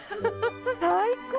最高！